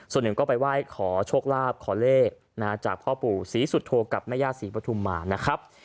ส่วนหนึ่งก็ไปไหว้ขอโชคลาภขอเลขจากพ่อปู่ศรีสุโธกับแม่ย่าศรีปฐุมมานะครับ